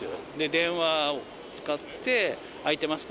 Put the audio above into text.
電話使って、空いてますか？